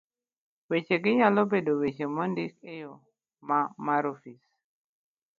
Wechegi nyalo bedo weche mondik e yo ma mar ofis.